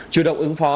chủ động ứng phó